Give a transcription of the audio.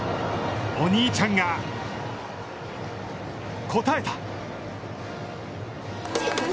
お兄ちゃんが、応えた！